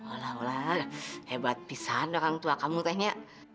olah olah hebat pisahnya kakak tua kamu tehnya